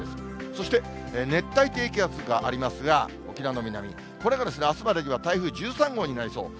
そして熱帯低気圧がありますが、沖縄の南、これがあすまでには台風１３号になりそう。